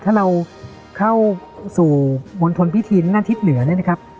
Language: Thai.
ถ้าเราเข้าสู่มณฑลพิธีหน้าทิศเหนือเนี่ยนะครับ